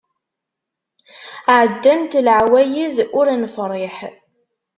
Ɛeddant leɛwayed ur nefṛiḥ.